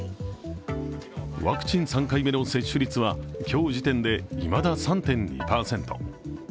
ワクチン３回目の接種率は今日時点でいまだ３．２％。